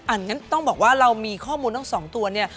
งั้นต้องบอกว่าเรามีข้อมูลทั้งสองตัวเนี่ย